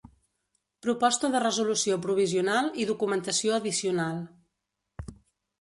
Proposta de resolució provisional i documentació addicional.